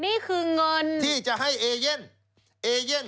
นี่คือเงินที่จะให้เอเย่นเอเย่น